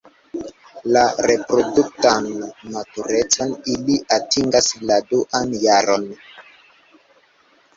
La reproduktan maturecon ili atingas la duan jaron.